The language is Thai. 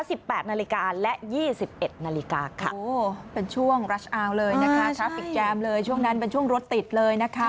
สิบแปดนาฬิกาและยี่สิบเอ็ดนาฬิกาค่ะโอ้เป็นช่วงรัชอาวเลยนะคะกราฟิกแจมเลยช่วงนั้นเป็นช่วงรถติดเลยนะคะ